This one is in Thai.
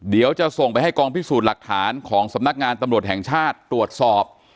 เดี๋ยวจะส่งไปให้กองพิสูจน์หลักฐานของสำนักงานตำรวจแห่งชาติตรวจสอบ